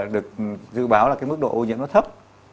được dự báo là cái mức độ ô nhiễm nó thấp